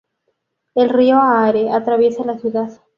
El río Aare atraviesa la ciudad.